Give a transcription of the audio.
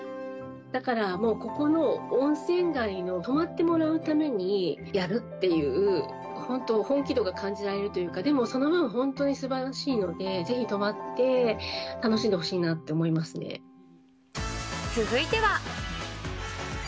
だから、ここの温泉街の、泊まってもらうためにやるっていう、本当、本気度が感じられるっていうか、でも、その分、本当にすばらしいので、ぜひ泊まって楽しんでほしいなと思います続いては。